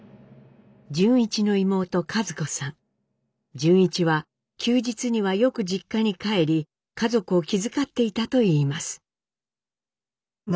潤一は休日にはよく実家に帰り家族を気遣っていたといいます。